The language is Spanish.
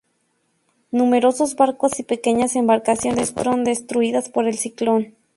Numerosos barcos y pequeñas embarcaciones fueron destruidas por el ciclón.